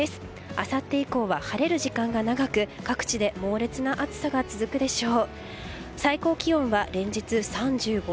あさって以降は晴れる時間が長く各地で猛烈な暑さが続くでしょう。